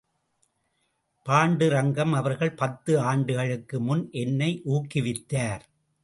பாண்டுரங்கம் அவர்கள் பத்து ஆண்டுகளுக்கு முன் என்னை ஊக்குவித்தார்.